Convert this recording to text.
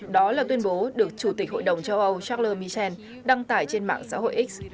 đó là tuyên bố được chủ tịch hội đồng châu âu charles michel đăng tải trên mạng xã hội x